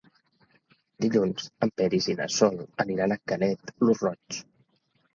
Dilluns en Peris i na Sol aniran a Canet lo Roig.